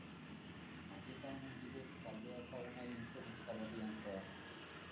Maketa honen bidez taldea ezaguna egin zen Euskal Herrian zehar.